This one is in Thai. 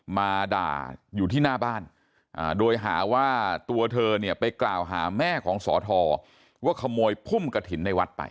มาด่าอยู่ที่หน้าบ้านโดยหาว่าตัวเธอเนี่ยไปกล่าวหาแม่ของสอทอว่าขโมยพุ่มกระถิ่นในวัดไป